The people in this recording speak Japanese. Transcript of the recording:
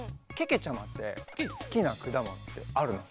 けけちゃまってすきなくだものってあるの？